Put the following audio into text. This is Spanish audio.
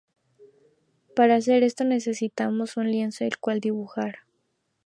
Para hacer esto, necesitamos un lienzo en el cual dibujar.